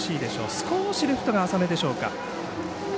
少しレフトが浅めでしょうか。